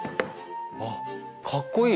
あっかっこいい！